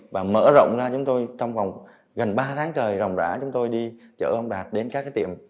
và mở rộng ra chúng tôi trong vòng gần ba tháng trời ròng rã chúng tôi đi chở ông đạt đến các cái tiệm